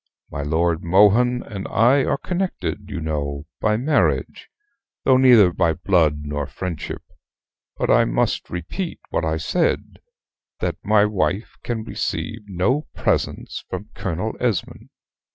My Lord Mohun and I are connected, you know, by marriage though neither by blood nor friendship; but I must repeat what I said, that my wife can receive no presents from Colonel Esmond."